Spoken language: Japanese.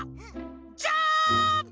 ジャンプ！